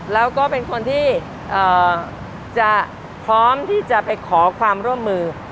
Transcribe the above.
แล้วก็เป็นคนที่จะพร้อมที่จะไปขอความร่วมมือ